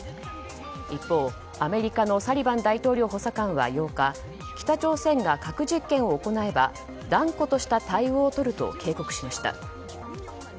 一方、アメリカのサリバン大統領補佐官は８日北朝鮮が核実験を行えば断固とした対応をとると警告しました。